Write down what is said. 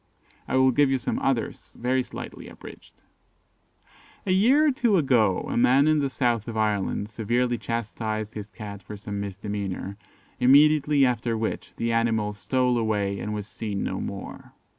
I will give you some others very slightly abridged. "A year or two ago, a man in the south of Ireland severely chastised his cat for some misdemeanour, immediately after which the animal stole away, and was seen no more.